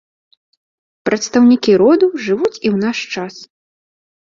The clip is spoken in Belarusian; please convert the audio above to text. Прадстаўнікі роду жывуць і ў наш час.